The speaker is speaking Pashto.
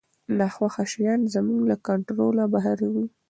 ناخوښه شیان زموږ له کنټروله بهر وي.